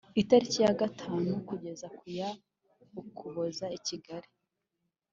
itariki ya gatanu kugeza ku ya Ukuboza i Kigali